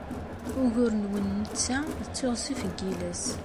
Ugur-nwen netta d teɣzef n yiles.